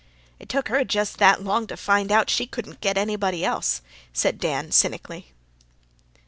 "It took her just that long to find out she couldn't get anybody else," said Dan, cynically.